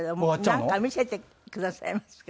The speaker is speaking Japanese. なんか見せてくださいますか？